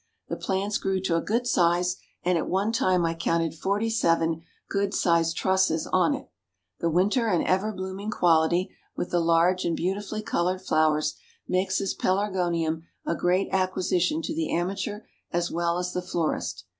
The plants grew to a good size and at one time I counted forty seven good sized trusses on it. The winter and everblooming quality, with the large and beautifully colored flowers, makes this Pelargonium a great acquisition to the amateur as well as the florist.